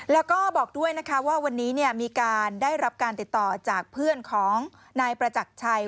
แล้วก็บอกด้วยนะคะว่าวันนี้มีการได้รับการติดต่อจากเพื่อนของนายประจักรชัย